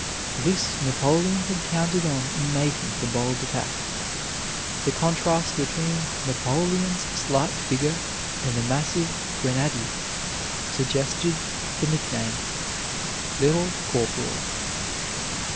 This Napoleon had counted on in making the bold attack. The contrast between Napoleon's slight figure and the massive grenadiers suggested the nickname "Little Corporal."